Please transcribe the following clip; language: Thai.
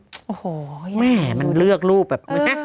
โอ้โหแม่มันเลือกรูปแบบ